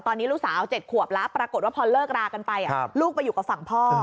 ตอนนี้ลูกสาว๗ขวบแล้วปรากฏว่าพอเลิกรากันไปลูกไปอยู่กับฝั่งพ่อ